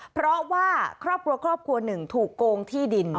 เพราะว่าครอบครัว๑ถูกโกงที่ดิน